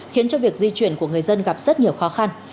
khiến cho việc di chuyển của người dân gặp rất nhiều khó khăn